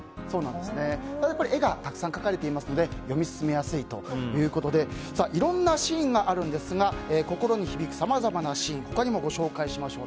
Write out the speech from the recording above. やっぱり絵がたくさん描かれていますので読み進めやすいということでいろいろなシーンがあるんですが心に響くさまざまなシーンご紹介しましょう。